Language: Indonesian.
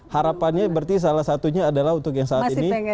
harapannya berarti salah satunya adalah untuk yang saat ini